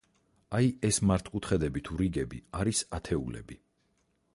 აი, ეს მართკუთხედები თუ რიგები არის ათეულები.